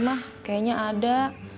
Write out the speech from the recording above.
mah kayaknya ada